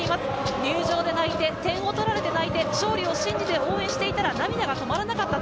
入場で泣いて、点を取られて泣いて、勝利を信じて応援していたら涙が止まらなかったと。